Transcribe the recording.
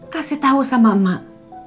kasih tau sama emak